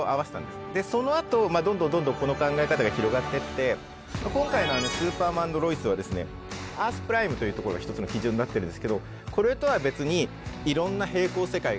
でそのあとまあどんどんどんどんこの考え方が広がってって今回の「スーパーマン＆ロイス」はですねアースプライムというところが一つの基準になってるんですけどこれとは別にいろんな並行世界があるという考え方になっています。